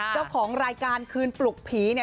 เจ้าของรายการคืนปลุกผีเนี่ย